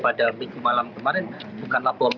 pada minggu malam kemarin bukanlah bom